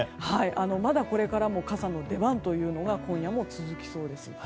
まだ、これからも傘の出番というのが今夜も続きそうです。